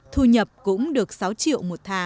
thu nhập cũng được sáu triệu